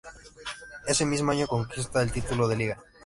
Ese mismo año conquista el título de Liga.